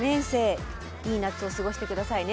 いい夏を過ごして下さいね。